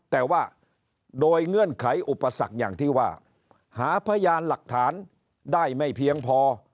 แต่ว่าโดยเงื่อนไขอุปสรรคอย่างที่ว่าหาพยานหลักฐานได้ไม่เพียงพอ